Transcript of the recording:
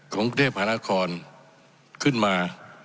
ของกุฏเทพธนครขึ้นมา